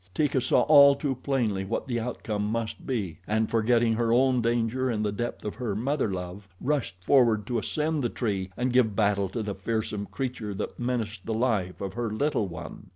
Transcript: Teeka saw all too plainly what the outcome must be and forgetting her own danger in the depth of her mother love, rushed forward to ascend the tree and give battle to the fearsome creature that menaced the life of her little one.